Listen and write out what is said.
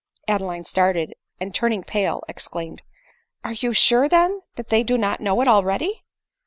Adeline started ; and, turning pale, exclaimed, " Are you sure, then, that they do not know it already